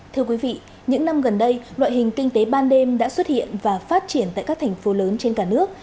thưa quý vị những năm gần đây loại hình kinh tế ban đêm đã xuất hiện và phát triển tại các thành phố lớn trên cả nước